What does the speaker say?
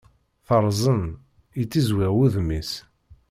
Teṛẓen, yettiẓwiɣ wudem-is.